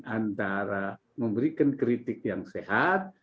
antara memberikan kritik yang sehat